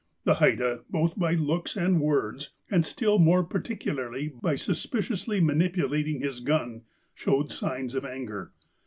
The Haida, both by looks and words, and still more particularly by suspiciously manipulating his gun, showed signs of anger.